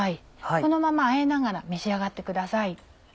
このままあえながら召し上がってください。